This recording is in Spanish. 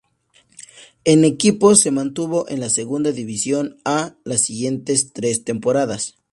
El equipo se mantuvo en la Segunda División "A" las siguientes tres temporadas.